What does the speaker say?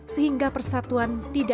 sehingga persatuan berbeda